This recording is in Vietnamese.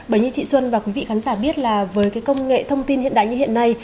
bởi như chị xuân và quý vị khán giả biết là với cái công nghệ thông tin hiện đại như hiện nay